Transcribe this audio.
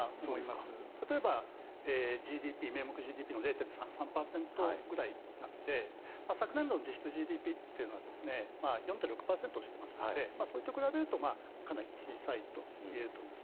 例えば、名目ＧＤＰの０．３３％ぐらいなので昨年度の実質ＧＤＰは４．６％ですのでそれと比べると、かなり小さいといえると思います。